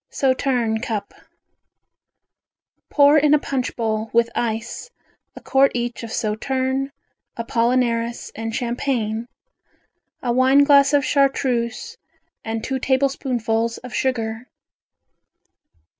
Sauterne Cup Pour in a punch bowl, with ice, a quart each of sauterne, apollinaris and champagne, a wine glass of Chartreuse and two tablespoonfuls of sugar.